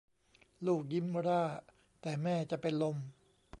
ลูกยิ้มร่า แต่แม่จะเป็นลม